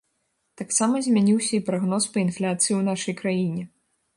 Таксама змяніўся і прагноз па інфляцыі ў нашай краіне.